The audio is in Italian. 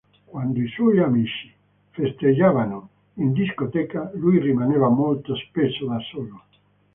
Quando i suoi amici festeggiavano in discoteca, lui rimaneva molto spesso da solo.